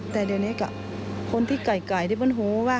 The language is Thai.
แต่เดี๋ยวนี้ก็คนที่ไกลที่ผมรู้ว่า